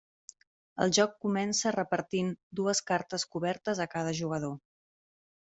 El joc comença repartint dues cartes cobertes a cada jugador.